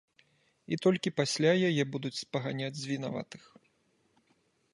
І толькі пасля яе будуць спаганяць з вінаватых.